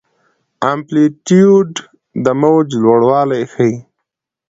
امپلیتیوډ د موج لوړوالی ښيي.